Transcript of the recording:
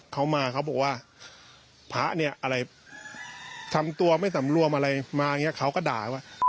เขามาเขาบอกว่าพระเนี่ยอะไรทำตัวไม่สำรวมอะไรมาอย่างนี้เขาก็ด่าว่า